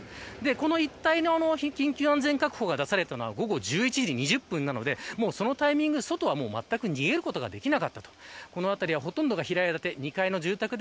この一帯の緊急安全確保が出されたのは午後１１時２０分なのでそのタイミングで、外はまったく逃げることができなかった。